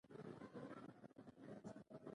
اداره باید د قانون د احکامو مطابق عمل وکړي.